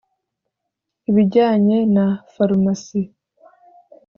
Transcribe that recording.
) ibijyanye na farumasi